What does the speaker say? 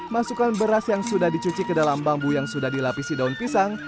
masukkan beras yang sudah dicuci ke dalam bambu yang sudah dilapisi daun pisang